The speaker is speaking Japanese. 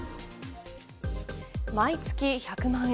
毎月１００万円。